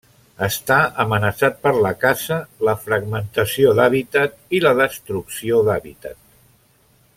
Està amenaçat per la caça, la fragmentació d'hàbitat i la destrucció d'hàbitat.